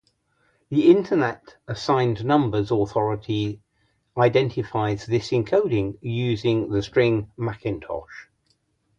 The Internet Assigned Numbers Authority identifies this encoding using the string "macintosh".